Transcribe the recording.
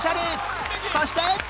そして